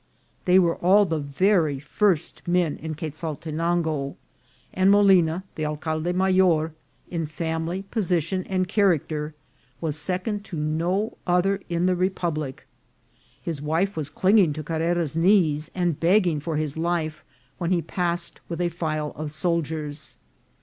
They were all the very first men in Quezaltenango ; and Mo lina, the alcalde mayor, in family, position, and charac ter was second to no other in the republic. His wife was clinging to Carrera's knees, and begging for his life when he passed with a file of soldiers.